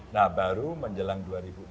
nah baru menjelang dua ribu empat belas